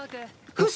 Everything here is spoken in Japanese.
フシ！